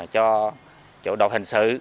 cho chủ độc hình sự